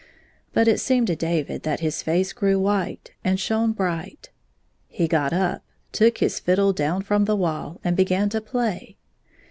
But it seemed to David that his face grew white and shone bright. He got up, took his fiddle down fi om the wall, and began to play.